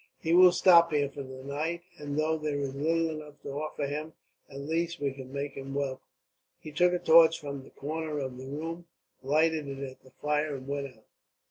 "He will stop here for the night and, though there is little enough to offer him, at least we can make him welcome." He took a torch from the corner of the room, lighted it at the fire, and went out.